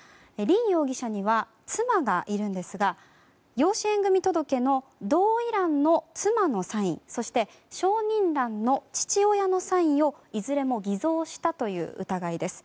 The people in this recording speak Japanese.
凜容疑者には妻がいるんですが養子縁組届の同意欄の妻のサインそして証人欄の父親のサインをいずれも偽造したという疑いです。